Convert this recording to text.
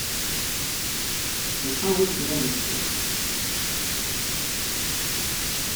I saw what she meant, of course.